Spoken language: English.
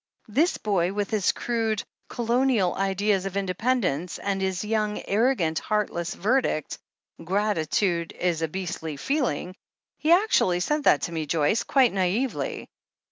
This boy, with his crude, Colonial ideas of in dependence, and his young, arrogant, heartless verdict — 'gratitude is a beastly feeling' — ^he actually said that to me, Joyce, quite naively